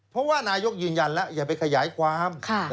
เพราะว่านายกยืนยันแล้วอย่าไปขยายความ